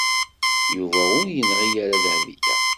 Yuba ur yenɣi ara Dahbiya.